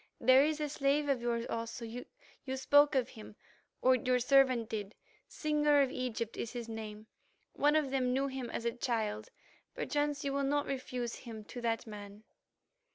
There is a slave of yours also—you spoke of him, or your servant did—Singer of Egypt is his name. One of them knew him as a child; perchance you will not refuse him to that man."